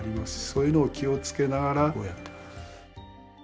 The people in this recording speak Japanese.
そういうのを気をつけながらこうやってます